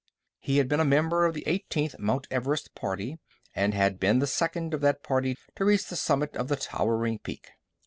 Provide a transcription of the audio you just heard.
He had been a member of the eighteenth Mount Everest Party, and had been the second of that party to reach the summit of the towering peak.